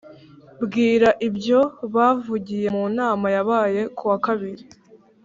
Bwira ibyo bavugiye mu nama yabaye kuwa kabiri